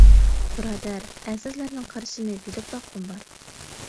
بۇرادەر ئەزىزلەرنىڭ قارىشىنى بىلىپ باققۇم بار.